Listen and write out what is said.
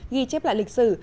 ghi chép lại lịch sử